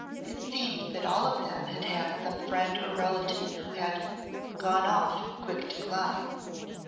It seemed that all of them had had some friend or relative who had "gone off in a quick decline.